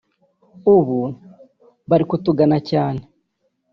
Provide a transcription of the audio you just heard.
ubu bari kutugana cyane